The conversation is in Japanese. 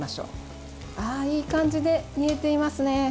いい感じで煮えていますね。